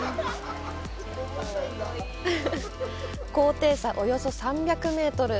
高低差およそ３００メートル。